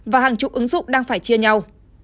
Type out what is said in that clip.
và hàng chục ứng dụng đang phải chia nhau